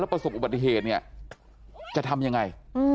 แล้วประสบบัติเหตุนี่จะทำอย่างไร